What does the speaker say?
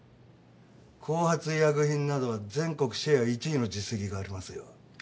後発医薬品などは全国シェア１位の実績がありますよ。